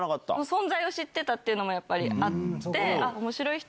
存在を知ってたっていうのもやっぱりあって。